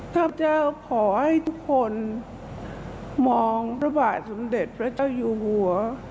ข้าพเจ้าขอให้ทุกคนมองพระบาทสมเด็จพระเจ้าอยู่หัว